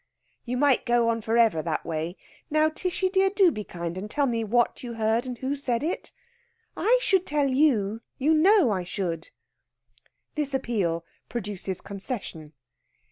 "You might go on for ever that way. Now, Tishy dear, do be kind and tell me what you heard and who said it. I should tell you. You know I should." This appeal produces concession.